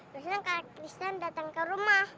biasanya kak kristen datang ke rumah